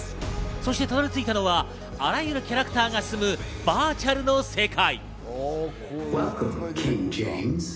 そしてたどり着いたのは、あらゆるキャラクターが住むバーチャルの世界。